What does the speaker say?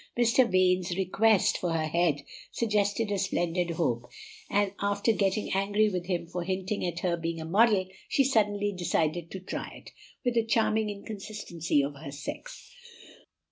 Mr. Vane's request for her head suggested a splendid hope; and after getting angry with him for hinting at her being a model, she suddenly decided to try it, with the charming inconsistency of her sex.